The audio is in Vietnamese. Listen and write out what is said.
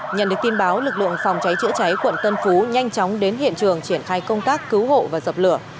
nhận được tin báo lực lượng phòng cháy chữa cháy quận tân phú nhanh chóng đến hiện trường triển khai công tác cứu hộ và dập lửa